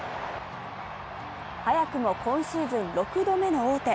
早くも今シーズン６度目の王手。